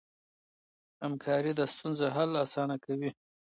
همکاري د ستونزو حل اسانه کوي.